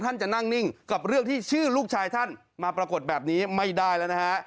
ท่านจะนั่งนิ่งกับเรื่องที่ชื่อลูกชายท่านมาปรากฏแบบนี้ไม่ได้แล้วนะฮะ